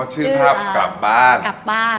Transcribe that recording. อ๋อชื่อภาพกลับบ้าน